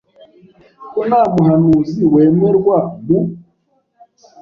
ko nta muhanuzi wemerwa mu